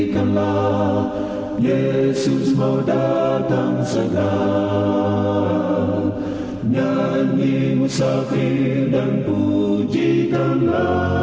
kandimu sakhir dan pujikanlah